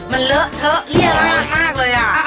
มันเลอะเทอะเรียดมากเลย